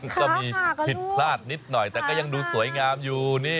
มันก็มีผิดพลาดนิดหน่อยแต่ก็ยังดูสวยงามอยู่นี่